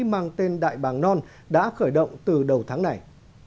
mang tên đại bàng non đã khởi động từ đầu tháng này